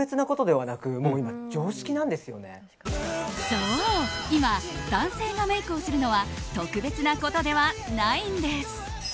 そう今男性がメイクをするのは特別なことではないんです。